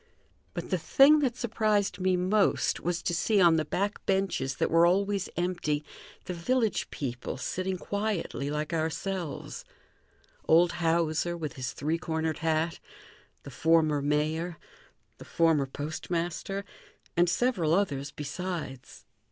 But the thing that surprised me most was to see, on the back benches that were always empty, the village people sitting quietly like ourselves; old Hauser, with his three cornered hat, the former mayor, the former postmaster, and several others besides.